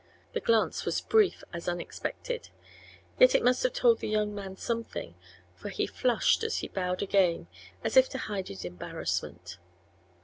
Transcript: The glance was brief as unexpected, yet it must have told the young man something, for he flushed and bowed again as if to hide his embarrassment.